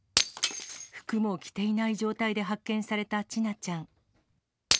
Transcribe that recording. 服も着ていない状態で発見された千奈ちゃん。